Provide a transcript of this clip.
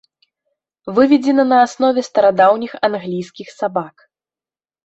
Выведзена на аснове старадаўніх англійскіх сабак.